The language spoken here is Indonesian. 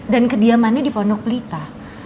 dan kediamannya di pondok pelita